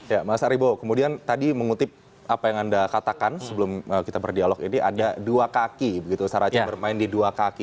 ya mas aribo kemudian tadi mengutip apa yang anda katakan sebelum kita berdialog ini ada dua kaki begitu saracen bermain di dua kaki